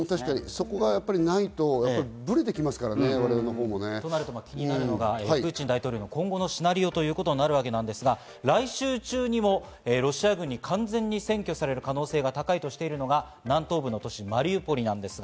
そこがないとブレてきますか気になるのはプーチン大統領の今後のシナリオになるんですが、来週中にもロシア軍に完全に占拠される可能性が高いとしてるのが南東部の都市マリウポリです。